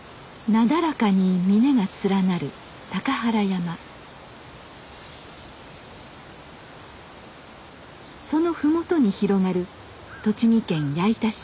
なだらかに峰が連なるその麓に広がる栃木県矢板市。